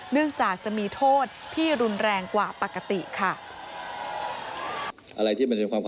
เนื่องจากจะมีโทษที่รุนแรงกว่าปกติค่ะ